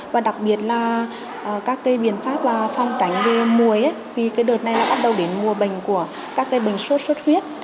và đặc biệt là các cây biện pháp phòng tránh mùi vì đợt này bắt đầu đến mùa bệnh của các cây bệnh sốt sốt huyết